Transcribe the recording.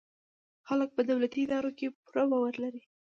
خلک په دولتي ادارو پوره باور لري.